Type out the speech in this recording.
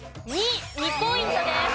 ２ポイントです。